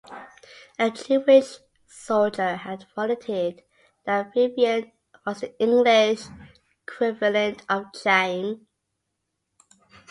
A Jewish soldier had volunteered that "Vivian" was the English equivalent of "Chaim".